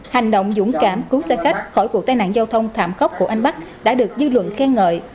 hành động dũng cảm cứu xe khách khỏi vụ tai nạn giao thông thảm khốc của anh bắc đã được dư luận khen ngợi